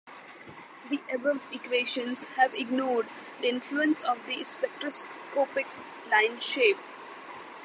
The above equations have ignored the influence of the spectroscopic line shape.